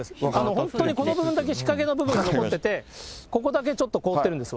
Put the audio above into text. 本当にこの部分だけ、日陰の部分残ってて、ここだけちょっと凍ってるんですわ。